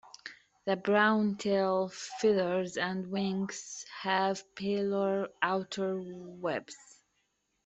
The brown tail feathers and wings have paler outer webs.